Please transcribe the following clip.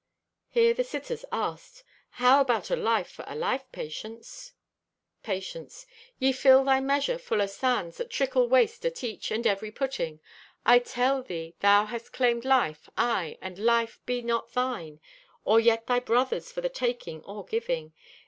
Here the sitters asked: "How about a life for a life, Patience?" Patience.—"Ye fill thy measure full o' sands that trickle waste at each and every putting. I tell thee thou hast claimed life; aye, and life be not thine or yet thy brother's for the taking or giving.